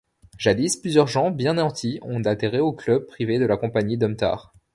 Jadis, plusieurs gens bien nantis ont adhéré au club privé de la compagnie Domtar.